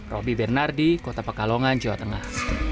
roby bernardi kota pekalongan jawa tengah